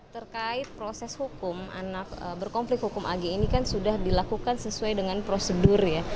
terkait proses hukum anak berkonflik hukum ag ini kan sudah dilakukan sesuai dengan prosedur ya